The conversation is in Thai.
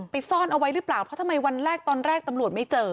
ซ่อนเอาไว้หรือเปล่าเพราะทำไมวันแรกตอนแรกตำรวจไม่เจอ